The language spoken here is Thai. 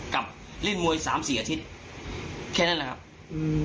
กับเล่นมวยสามสี่อาทิตย์แค่นั้นแหละครับอืม